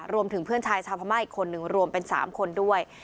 รวมถึงเพื่อนชายชาวพม่าอีกคนนึงรวมเป็น๓คนด้วย